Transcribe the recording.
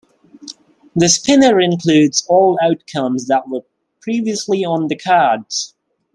The spinner includes all outcomes that were previously on the cards.